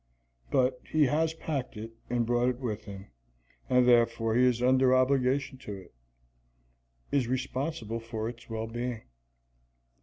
But he has packed it and brought it with him, and therefore he is under obligation to it; is responsible for its well being.